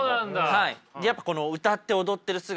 はい。